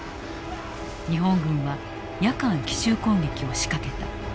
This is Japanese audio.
日本軍は夜間奇襲攻撃を仕掛けた。